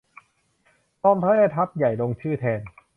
รองแม่ทัพใหญ่ ลงชื่อแทน